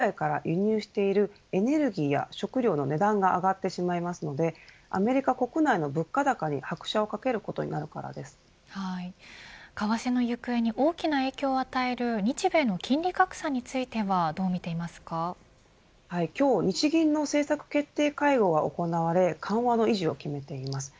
つまりドル安になるのでそうするとアメリカが海外から輸入しているエネルギーや食料の値段が上がってしまいますのでアメリカ国内の物価高に拍車を為替の行方に大きな影響を与える日米の金利格差については今日日銀の政策決定会合が行われ緩和の維持を決めています。